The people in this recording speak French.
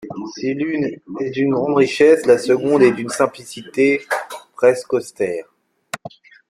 Si l'une est d'une grande richesse, la seconde est d'une simplicité presque austère.